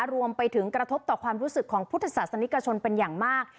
รวมไปถึงกระทบต่อความรู้สึกของพุทธศาสตร์ฯนิกาชนเป็นอย่างมาก